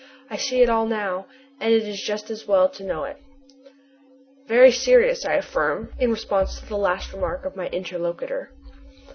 I see it all now, and it is just as well to know it. "Very serious," I affirm, in response to the last remark of my interlocutor.